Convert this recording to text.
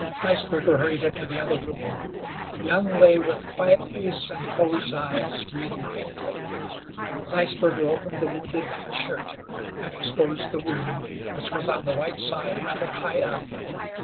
Zeisberger hurried into the other room. Young lay with quiet face and closed eyes, breathing faintly. Zeisberger opened the wounded man's shirt and exposed the wound, which was on the right side, rather high up.